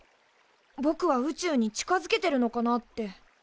ぼくは宇宙に近づけてるのかなって。